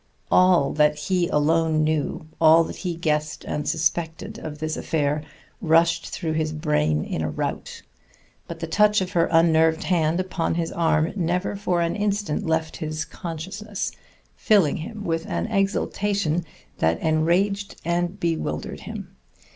All that he alone knew, all that he guessed and suspected of this affair rushed through his brain in a rout; but the touch of her unnerved hand upon his arm never for an instant left his consciousness, filling him with an exaltation that enraged and bewildered him.